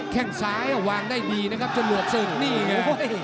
แค่งซ้ายอ่ะวางได้ดีนะครับจะหลวดศึกนี่ไง